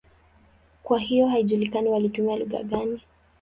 Kwa hiyo haijulikani walitumia lugha gani.